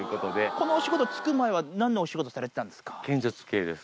このお仕事就く前、なんのお仕事してたんですか？